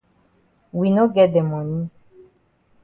We no get de moni.